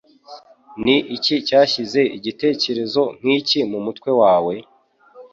Ni iki cyashyize igitekerezo nk'iki mu mutwe wawe?